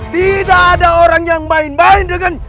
tidak ada orang yang main main dengan